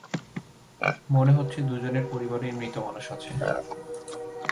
মনে হচ্ছে দুজনের পরিবারেই মৃত মানুষ আছে।